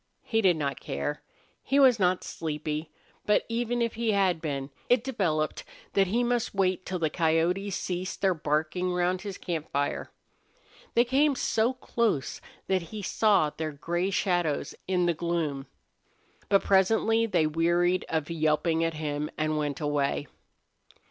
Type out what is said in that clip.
He did not care. He was not sleepy, but even if he had been it developed that he must wait till the coyotes ceased their barking round his camp fire. They came so close that he saw their gray shadows in the gloom. But presently they wearied of yelping at him and went away.